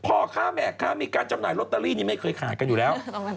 พอแมกขาจำหน่ายลูตเตอรีเนี่ยมันไม่เคยขาดอยู่แล้ว